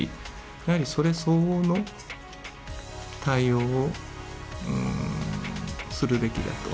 やはりそれ相応の対応をするべきだと。